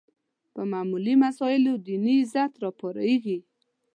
په معمولي مسایلو دیني غیرت راپارېږي